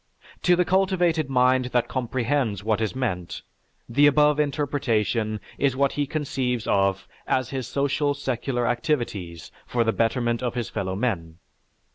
To the cultivated mind that comprehends what is meant, the above interpretation is what he conceives of as his social secular activities for the betterment of his fellowmen.